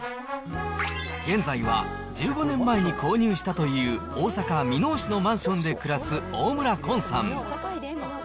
現在は、１５年前に購入したという大阪・箕面市のマンションで暮らす大村崑さん。